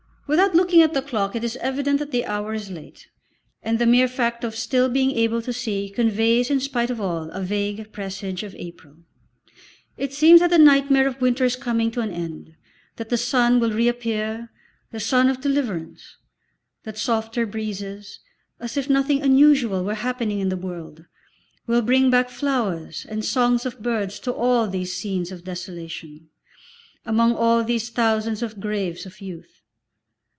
Without looking at the clock it is evident that the hour is late, and the mere fact of still being able to see conveys in spite of all a vague presage of April; it seems that the nightmare of winter is coming to an end, that the sun will reappear, the sun of deliverance, that softer breezes, as if nothing unusual were happening in the world, will bring back flowers and songs of birds to all these scenes of desolation, among all these thousands of graves of youth.